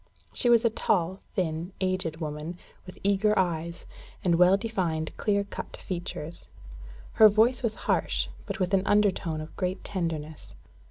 She was a tall, thin, aged woman, with eager eyes, and well defined clear cut features. Her voice was harsh, but with an undertone of great tenderness.